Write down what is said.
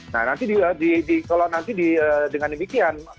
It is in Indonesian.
nah nanti kalau nanti dengan demikian